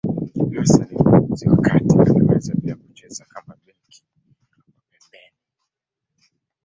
Hasa ni mlinzi wa kati, anaweza pia kucheza kama beki wa pembeni.